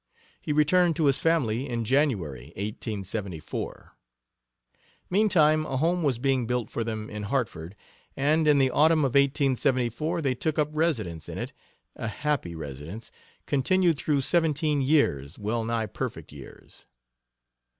He returned to his family in January, 1874. Meantime, a home was being built for them in Hartford, and in the autumn of 1874 they took up residence in ita happy residence, continued through seventeen years well nigh perfect years.